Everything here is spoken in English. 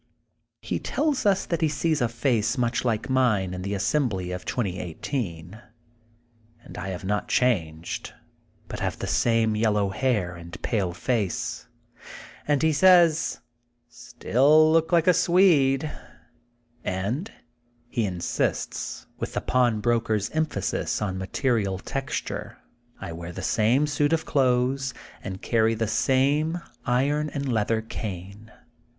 He tells us that he sees a face much like mine in the assembly of 2018, and I have not changed, but have the same yellow hair and pale face, as he says, still look like a Swede,*' and, (as he insists, with the pawn broker's emphasis on material texture), I 34 THE GOLDEN BOOK OF SPRINGFIELD wear the same suit of clothes, and carry the same iron and leather cane.